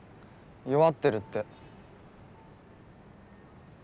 弱ってるって。